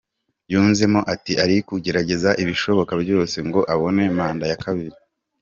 Yunzemo ati “Ari kugerageza ibishoboka byose ngo abone manda ya kabiri.